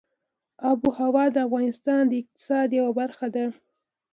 آب وهوا د افغانستان د اقتصاد یوه برخه ده.